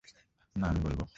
না আমি বলবো?